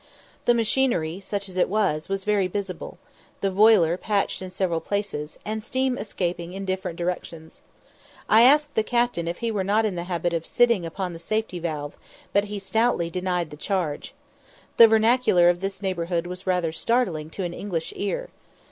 The machinery, such as it was, was very visible, the boiler patched in several places, and steam escaped in different directions. I asked the captain if he were not in the habit of "sitting upon the safety valve," but he stoutly denied the charge. The vernacular of this neighbourhood was rather startling to an English ear.